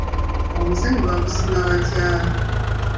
Omusenyu bagusima batya?